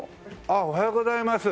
おはようございます。